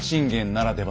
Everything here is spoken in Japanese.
ならでは？